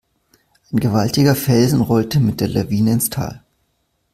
Ein gewaltiger Felsen rollte mit der Lawine ins Tal.